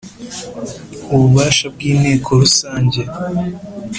Ububasha bw’ inteko rusange